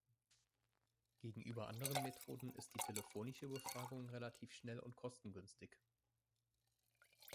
Gegenüber anderen Methoden ist die telefonische Befragung relativ schnell und kostengünstig.